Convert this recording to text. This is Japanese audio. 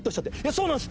そうなんです！